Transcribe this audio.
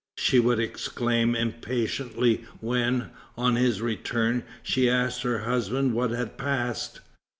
she would exclaim impatiently when, on his return, she asked her husband what had passed.